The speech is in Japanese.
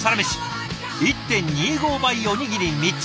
１．２５倍おにぎり３つ！